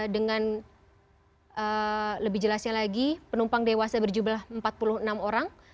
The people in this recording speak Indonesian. dengan lebih jelasnya lagi penumpang dewasa berjumlah empat puluh enam orang